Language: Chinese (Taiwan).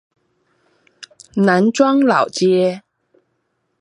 南庄老街